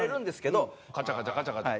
カチャカチャカチャカチャ。